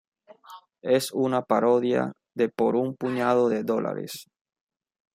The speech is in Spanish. Es una parodia de "Por un puñado de dólares".